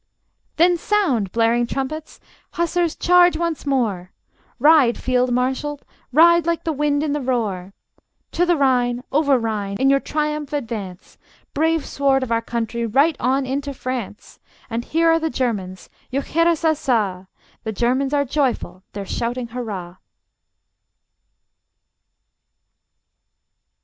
Then sound, blaring trumpets! Hussars, charge once more! Ride, field marshal, ride like the wind in the roar! To the Rhine, over Rhine, in your triumph advance! Brave sword of our country, right on into France! And here are the Germans: juchheirassassa! The Germans are joyful; they're shouting hurrah!